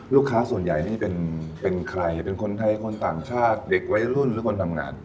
ลูกค้าส่วนใหญ่นี่เป็นใครเป็นคนไทยคนต่างชาติเด็กวัยรุ่นหรือคนทำงาน